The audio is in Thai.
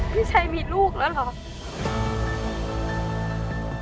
พี่ชัยมีลูกแล้วเหรอ